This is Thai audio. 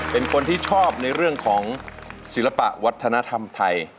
เป็นคนที่ชอบในเรื่องของศิลปะวัฒนธรรมไทย